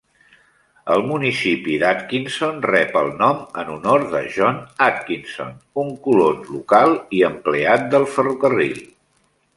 El municipi d'Atkinson rep el nom en honor de John Atkinson, un colon local i empleat de ferrocarril.